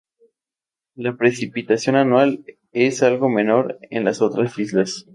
La precipitación anual es algo menor en las otras islas.